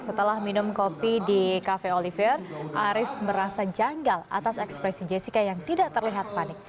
setelah minum kopi di cafe olivier arief merasa janggal atas ekspresi jessica yang tidak terlihat panik